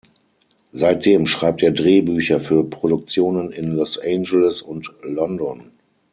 Seitdem schreibt er Drehbücher für Produktionen in Los Angeles und London.